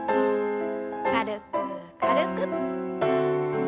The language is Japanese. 軽く軽く。